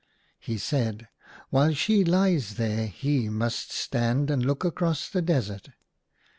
He said, " While she lies there he must stand and look across the desert."